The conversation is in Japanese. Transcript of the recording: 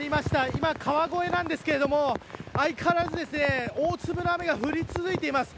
今、川越なんですが相変わらず大粒の雨が降り続いています。